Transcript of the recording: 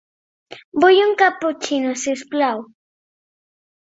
Vull un caputxino, si us plau.